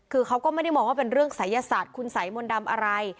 คือเขาก็ไม่ได้มองว่าเป็นเรื่องศัยศาสตร์คุณสัยมนต์ดำอะไร